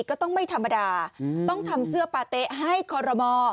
ก็ไม่ธรรมดาต้องทำเสื้อปาเต๊ะให้คอรมอ